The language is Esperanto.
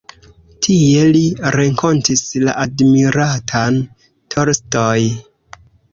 Tie li renkontis la admiratan Tolstoj.